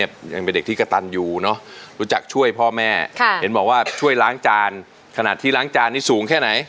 เอากาลี้ปีงไปช่วยล้างจานนะครับผู้ประชม